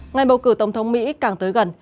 ngày bầu cử tổng thống mỹ càng tới gần